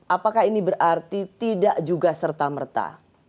apakah ini berarti tidak juga serta merta